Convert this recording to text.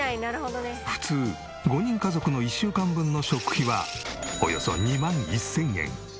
普通５人家族の１週間分の食費はおよそ２万１０００円。